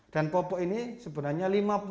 dan popok ini sebenarnya lima puluh